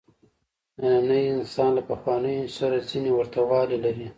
نننی انسان له پخوانیو سره ځینې ورته والي لري.